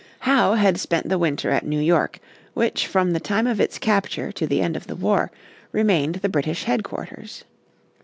Howe had spent the winter at New York, which from the time of its capture to the end of the war, remained the British headquarters.